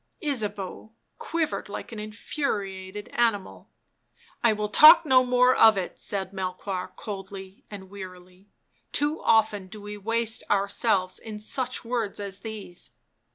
Ysabeau quivered like an infuriated animal. " I will talk no more of it," said Melchoir coldly and wearily. " Too often do we waste ourselves in such words as these."